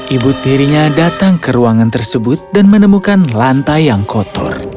ibu tirinya datang ke ruangan tersebut dan menemukan lantai yang kotor